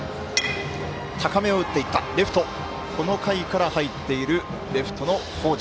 この回から入っているレフトの北條。